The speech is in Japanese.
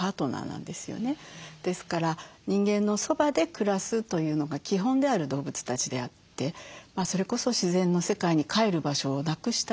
ですから人間のそばで暮らすというのが基本である動物たちであってそれこそ自然の世界にかえる場所をなくした動物なんです。